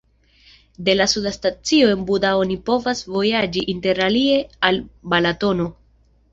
De la suda stacio en Buda oni povas vojaĝi interalie al Balatono.